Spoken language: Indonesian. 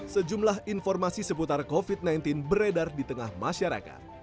sejumlah informasi seputar covid sembilan belas beredar di tengah masyarakat